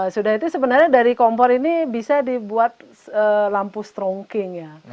sudah itu sebenarnya dari kompor ini bisa dibuat lampu strongking ya